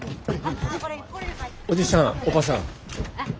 おじさんおばさん。